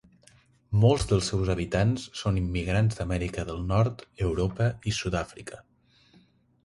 Molts dels seus habitants són immigrants d'Amèrica del Nord, Europa i Sudàfrica.